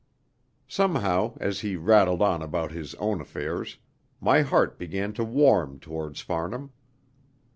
Somehow, as he rattled on about his own affairs, my heart began to warm towards Farnham.